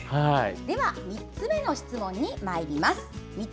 ３つ目の質問にまいります。